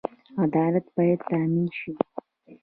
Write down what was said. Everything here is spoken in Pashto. عدالت باید تامین شي